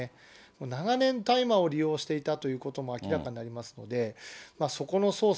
長年、大麻を利用していたことも明らかになりますので、そこの捜査。